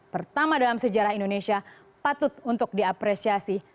pertama dalam sejarah indonesia patut untuk diapresiasi